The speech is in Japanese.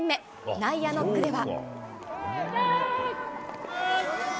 内野ノックでは。